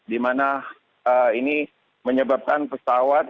di mana ini menyebabkan pesawat